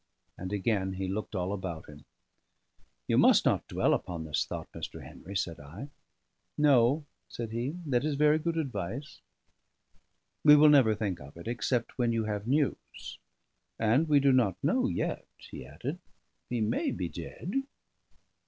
And again he looked all about him. "You must not dwell upon this thought, Mr. Henry," said I. "No," said he, "that is a very good advice. We will never think of it, except when you have news. And we do not know yet," he added; "he may be dead."